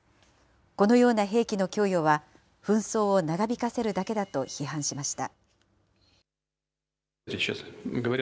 このような兵器の供与は、紛争を長引かせるだけだと批判しました。